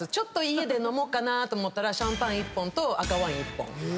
家で飲もうかなと思ったらシャンパン１本と赤ワイン１本。